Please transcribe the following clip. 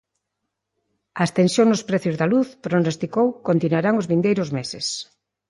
As tensións nos prezos da luz, prognosticou, continuarán os vindeiros meses.